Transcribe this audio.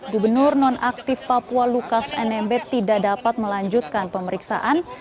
gubernur nonaktif papua lukas nmb tidak dapat melanjutkan pemeriksaan